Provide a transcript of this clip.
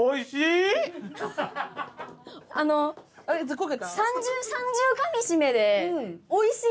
あの三重かみしめで「おいしい」？